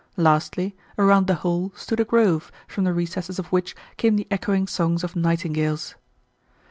Lastly, around the whole stood a grove, from the recesses of which came the echoing songs of nightingales.